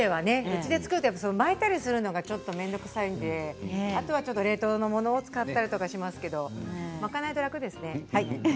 うちで作るときは巻いたりするのが面倒くさいんで冷凍物を使ったりしますけど巻かないと楽ですね。